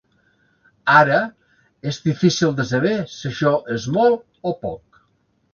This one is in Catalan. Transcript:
Ara, és difícil de saber si això és molt o poc.